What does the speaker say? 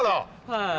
はい。